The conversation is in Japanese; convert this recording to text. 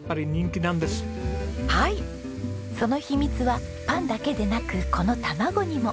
その秘密はパンだけでなくこの卵にも。